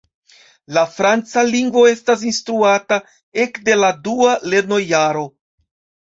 La franca lingvo estas instruata ek de la dua lernojaro.